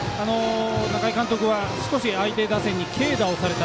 中井監督は少しあいて打線に軽打をされた。